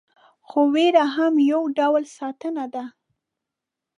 خو ویره هم یو ډول ساتنه ده.